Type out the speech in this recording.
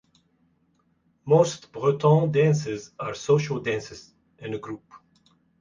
Most Breton dances are social dances, in a group.